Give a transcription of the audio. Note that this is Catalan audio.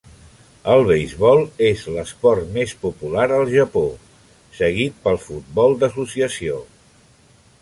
El beisbol és l'esport més popular al Japó, seguit pel futbol d'associació.